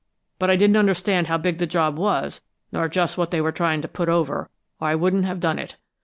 But I didn't understand how big the job was, nor just what they were trying to put over, or I wouldn't have done it.